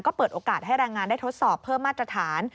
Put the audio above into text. ก็เปิดโอกาสให้แรงงานได้ทดสอบเพิ่มมาตรฐาน